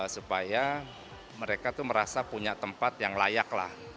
supaya mereka merasa punya tempat yang layak